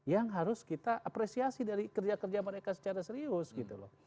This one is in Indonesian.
yang harus kita apresiasi dari kerja kerja mereka secara serius gitu loh